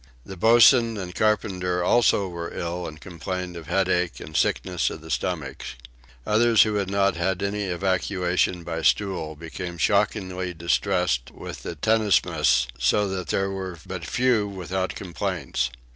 The boatswain and carpenter also were ill and complained of headache and sickness of the stomach. Others who had not had any evacuation by stool became shockingly distressed with the tenesmus so that there were but few without complaints.